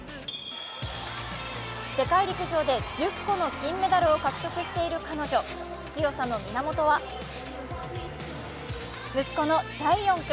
世界陸上で１０個の金メダルを獲得している彼女強さの源は息子のザイオン君。